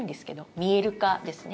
見える化ですね。